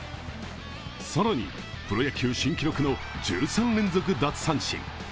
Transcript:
更に、プロ野球新記録の１３連続奪三振。